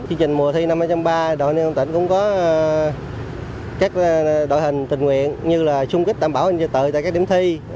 chương trình mùa thi năm hai nghìn ba đội niên công an tỉnh cũng có các đội hình tình nguyện như là chung kích đảm bảo hướng dẫn trật tự tại các điểm thi